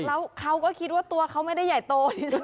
แล้วเขาก็คิดว่าตัวเขาไม่ได้ใหญ่โต